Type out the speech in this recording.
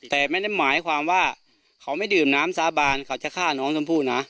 แต่ไม่ได้หมายความว่าเขาไม่ดื่มน้ำสาบานเขาจะฆ่าน้องชมพู่นะ